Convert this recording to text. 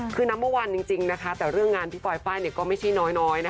คือนัมเมอร์วันจริงนะคะแต่เรื่องงานพี่ปลอยป้ายเนี่ยก็ไม่ใช่น้อยนะคะ